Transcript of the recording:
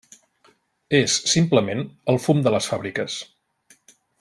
És, simplement, el fum de les fàbriques.